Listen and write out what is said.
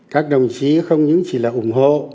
các đồng chí không những chỉ là ủng hộ